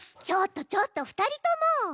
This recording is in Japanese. ちょっとちょっと２人とも！